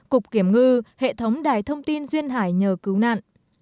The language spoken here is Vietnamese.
cục kiểm ngư hệ thống đài thông tin duyên hải nhờ cứu nạn